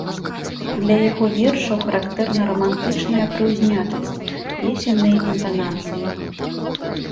Для яго вершаў характэрна рамантычная прыўзнятасць, песенныя інтанацыі.